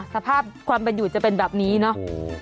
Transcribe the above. สภาพความเป็นอยู่จะเป็นแบบนี้เนาะ